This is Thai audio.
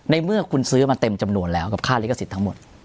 ในเมื่อคุณซื้อมาเต็มจำนวนแล้วกับค่าลิขสิทธิ์ทั้งหมด